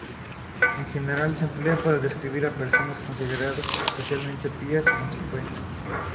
En general se emplea para describir a personas consideradas especialmente pías en su fe.